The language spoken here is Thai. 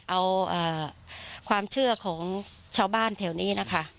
เอาความเชื่อของชาวบ้านแถวนี้นะคะ